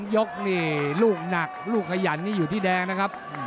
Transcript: ยกนี่ลูกหนักลูกขยันนี่อยู่ที่แดงนะครับ